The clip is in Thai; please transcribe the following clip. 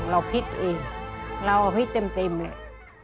เราผิดเองเราผิดเต็มเลย